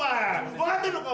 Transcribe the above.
分かってんのか？